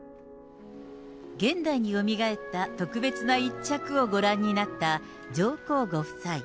現代によみがえった特別な一着をご覧になった上皇ご夫妻。